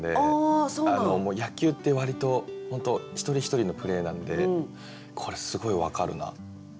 もう野球って割と本当一人一人のプレーなんでこれすごい分かるな。